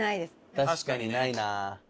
確かにないな。